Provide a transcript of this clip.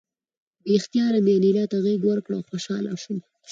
بې اختیاره مې انیلا ته غېږ ورکړه او خوشحاله شوم